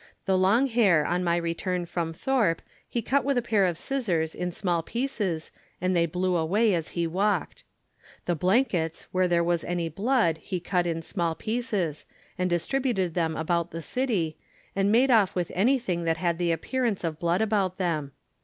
The long hair on my return from Thorpe, he cut with a pair of scissors in small pieces and they blew away as he walked. The blankets, where there was any blood he cut in small pieces, and distributed them about the city, and made off with anything that had the appearance of blood about them.